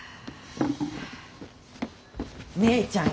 姉ちゃん